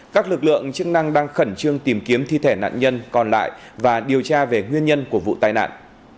các lực lượng chức năng đang khẩn trương tìm kiếm thi thể nạn nhân còn lại và điều tra về nguyên nhân của vụ tai nạn